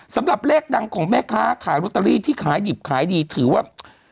สำหรับเลขดังของแม่ค้าขายลอตเตอรี่ที่ขายดิบขายดีถือว่า